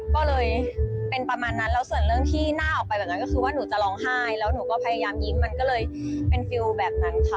ก็เลยเป็นประมาณนั้นแล้วส่วนเรื่องที่น่าออกไปแบบนั้นก็คือว่าหนูจะร้องไห้แล้วหนูก็พยายามยิ้มมันก็เลยเป็นฟิลแบบนั้นค่ะ